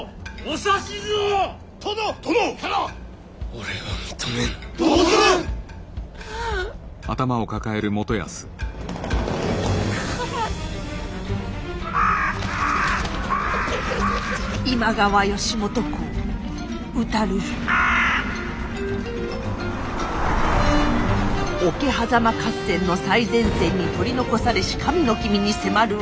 桶狭間合戦の最前線に取り残されし神の君に迫るはこの男。